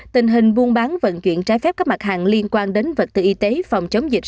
tình hình buôn bán vận chuyển trái phép các mặt hàng liên quan đến vật tư y tế phòng chống dịch